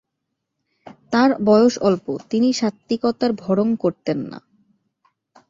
তাঁর বয়স অল্প, তিনি সাত্ত্বিকতার ভড়ং করতেন না।